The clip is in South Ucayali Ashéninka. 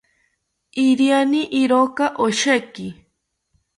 iriani iraka osheki